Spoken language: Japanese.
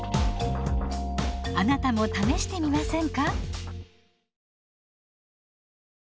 あなたも試してみませんか？